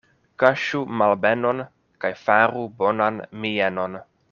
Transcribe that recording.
Kaŝu malbenon kaj faru bonan mienon.